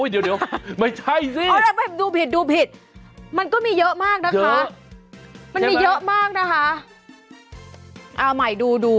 เดี๋ยวไม่ใช่สิ